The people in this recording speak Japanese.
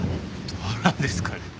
どうなんですかね。